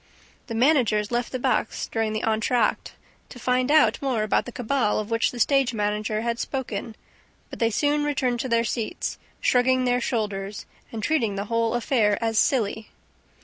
The managers left the box during the entr'acte to find out more about the cabal of which the stage manager had spoken; but they soon returned to their seats, shrugging their shoulders and treating the whole affair as silly.